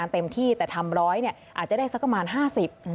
อช่วยทำร้อยอาจจะได้ล้านก็ได้